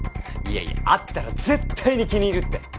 いやいや会ったら絶対に気に入るって。